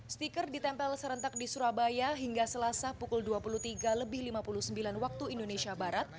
stiker ditempel serentak di surabaya hingga selasa pukul dua puluh tiga lebih lima puluh sembilan waktu indonesia barat